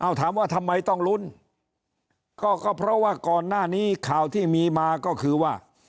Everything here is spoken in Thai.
เอาถามว่าทำไมต้องลุ้นก็ก็เพราะว่าก่อนหน้านี้ข่าวที่มีมาก็คือว่า